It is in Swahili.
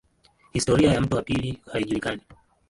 Historia ya mto wa pili haijulikani.